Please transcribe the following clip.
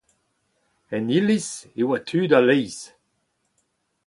En iliz e oa tud a-leizh.